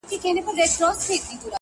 • په كوڅو كي يې زموږ پلونه بېګانه دي,